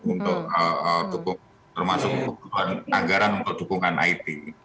untuk termasuk kebutuhan anggaran untuk dukungan it